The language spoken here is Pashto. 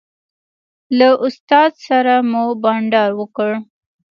له استاد سره مو بانډار وکړ.